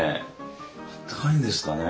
あったかいんですかね？